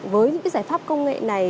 với những giải pháp công nghệ này